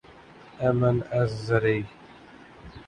M N S زرعی